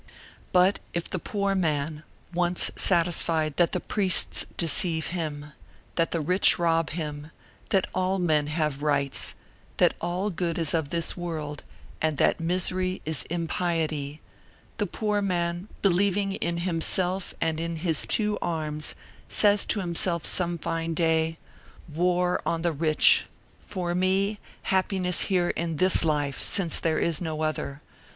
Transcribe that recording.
But, if the poor man, once satisfied that the priests deceive him, that the rich rob him, that all men have rights, that all good is of this world, and that misery is impiety; the poor man, believing in himself and in his two arms, says to himself some fine day: "War on the rich! for me, happiness here in this life, since there is no other!